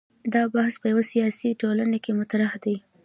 دا بحث په یوه سیاسي ټولنه کې مطرح دی.